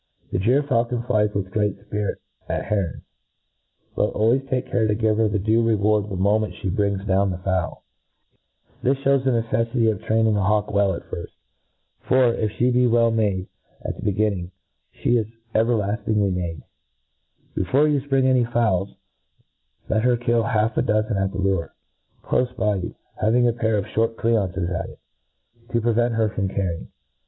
. The gy'r faulcon flies with great fpirit at he ron ; but always take care to give her the due reward the moment fhe brings down the fowl. This MODERN FAULCONRY. 211 \ f This fhews the neceffity pf training a hawk well atfirftj for, if (he be well made at the begin ning, ihe is evcrlaftingly made. Before you fpring any fowls, let her kill half a dozen at the lure, clofe by you, having a pah of fhort ^ oreances at it, to prevent her carrying.